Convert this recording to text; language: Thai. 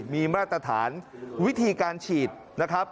มีมาตรฐานวิธีการฉีดนะครับ